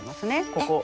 ここ。